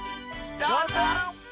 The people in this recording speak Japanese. どうぞ！